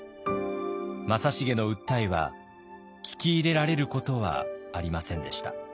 正成の訴えは聞き入れられることはありませんでした。